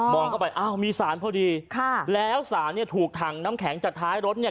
เข้าไปอ้าวมีสารพอดีค่ะแล้วสารเนี่ยถูกถังน้ำแข็งจากท้ายรถเนี่ย